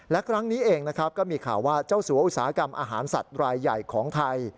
และครั้งนี้เองนะครับก็มีข่าวว่าเจ้าสัวอุตสาหกรรมอาหารสัตว์รายใหญ่ของไทย